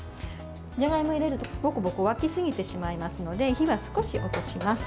じゃがいも入れると、ボコボコ沸きすぎてしまいますので火は少し落とします。